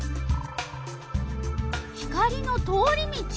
光の通り道。